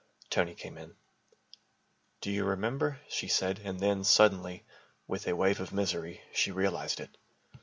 Tony came in. "Do you remember," she said and then, suddenly, with a wave of misery, she realised it.